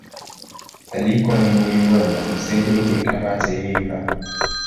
Aliko ne ya yi wannan, sai dai bai kamata ya yi ba.